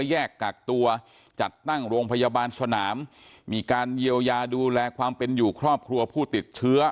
แยกกักตัวจัดตั้งโรงพยาบาลสนามมีการเยียวยาดูแลความเป็นอยู่ครอบครัวผู้ติดเชื้อ